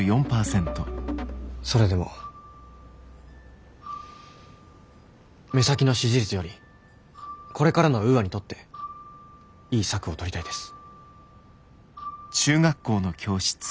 それでも目先の支持率よりこれからのウーアにとっていい策を取りたいです。